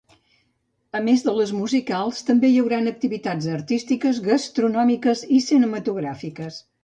A més de les musicals, també hi hauran activitats artístiques, gastronòmiques i cinematogràfiques.